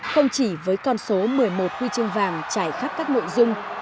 không chỉ với con số một mươi một huy chương vàng trải khắp các nội dung